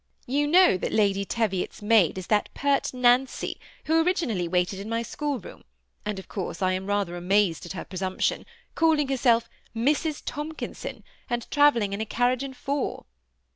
You know that Lady Teviot's maid is that pert Nancy who originally waited in my school room ; and of course I am rather amazed at her presumption, calling herself Mrs. Tomkinson, and trav elling in a carriage and four.